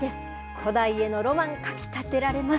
古代へのロマン、かき立てられます。